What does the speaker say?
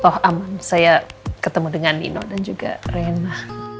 oh aman saya ketemu dengan nino dan juga rena